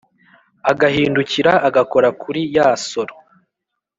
agahindukira agakora kurí yá soro